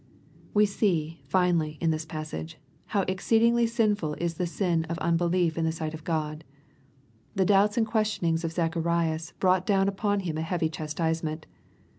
We see, finally, in this passage, how exceeding sinful is the sin of unbelief in the sight of God. The doubts and questionings of Zacharias brought down upon him a heavy chastisement.